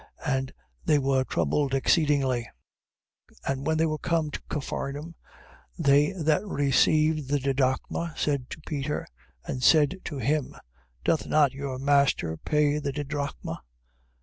And they were troubled exceedingly. 17:23. And when they were come to Capharnaum, they that received the didrachmas, came to Peter, and said to him: Doth not your master pay the didrachma?